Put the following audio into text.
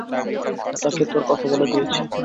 তাকে তোর কথা বলে দিয়েছি।